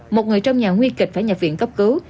một người trong nhà nguy kịch phải nhập viện cấp cứu